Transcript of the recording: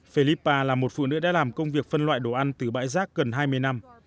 philippa là một phụ nữ đã làm công việc phân loại đồ ăn từ bãi rác gần hai mươi năm